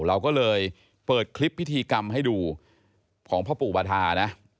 เราก็เลยเปิดคลิปพิธีกรรมให้ดูของพ่อปู่บาธานะ